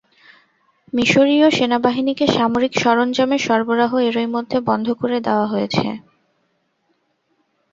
মিসরীয় সেনাবাহিনীকে সামরিক সরঞ্জামের সরবরাহ এরই মধ্যে বন্ধ করে দেওয়া হয়েছে।